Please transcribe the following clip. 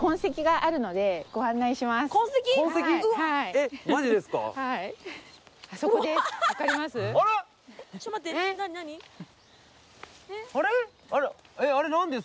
あそこです分かります？